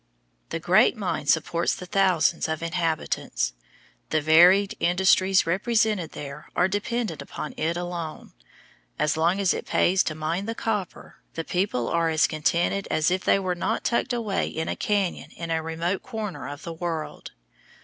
The great mine supports the thousands of inhabitants. The varied industries represented there are dependent upon it alone. As long as it pays to mine the copper, the people are as contented as if they were not tucked away in a cañon in a remote corner of the world.